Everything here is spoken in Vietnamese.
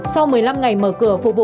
sau một mươi năm ngày mở cửa phục vụ